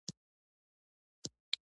ميرويس خان وخندل: زه تجار سړی يم.